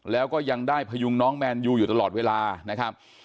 แล้วก็ยังได้พยุงน้องแมนยูอยู่ตลอดเวลานะครับ